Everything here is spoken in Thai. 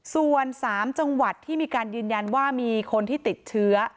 ส่วน๓จังหวัดที่มีการยืนยันว่ามีคนที่ติดเชื้อ